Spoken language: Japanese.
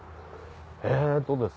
えっとですね